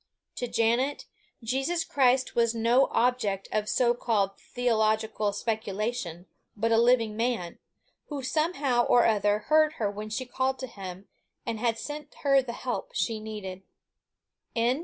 To Janet, Jesus Christ was no object of so called theological speculation, but a living man, who somehow or other heard her when she called to him, and sent her the help she needed.